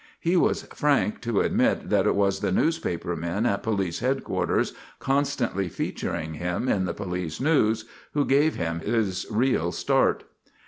He was frank to admit that it was the newspaper men at police headquarters, constantly "featuring" him in the police news, who gave him his real start.